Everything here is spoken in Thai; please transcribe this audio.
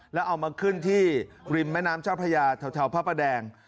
แล้วเอามาขึ้นที่ริมแม่น้ำเจ้าพระยาแถวพระประแดง